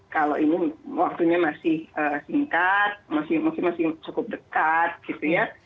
kalau ini waktunya masih singkat masih cukup dekat gitu ya